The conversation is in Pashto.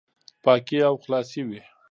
پاکي او خلاصي وي،